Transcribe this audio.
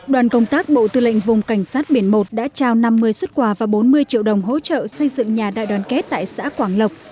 đoàn công tác bộ tư lệnh vùng cảnh sát biển một đã trao năm mươi xuất quà và bốn mươi triệu đồng hỗ trợ xây dựng nhà đại đoàn kết tại xã quảng lộc